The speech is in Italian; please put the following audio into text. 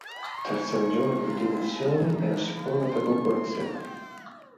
Terza regione per dimensioni, è la seconda per popolazione.